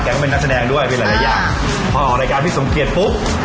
แกก็เป็นนักแสดงด้วยไปหลายอย่างพอรายการของพี่สมเกียจปุ๊บ